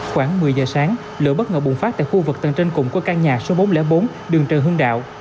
khoảng một mươi giờ sáng lửa bất ngờ bùng phát tại khu vực tầng trên cùng của căn nhà số bốn trăm linh bốn đường trần hưng đạo